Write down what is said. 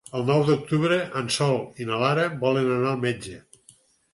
El nou d'octubre en Sol i na Lara volen anar al metge.